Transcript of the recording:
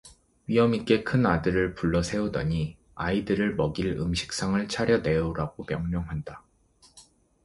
위엄 있게 큰아들을 불러 세우더니 아이들을 먹일 음식상을 차려 내오라고 명령한다.